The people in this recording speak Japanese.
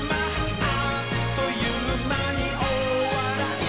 「あっというまにおおわらい」